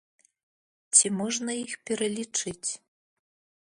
Ці можна іх пералічыць?